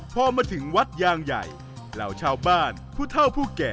พอมาถึงวัดยางใหญ่เหล่าชาวบ้านผู้เท่าผู้แก่